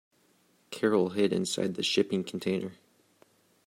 Carol hid inside the shipping container.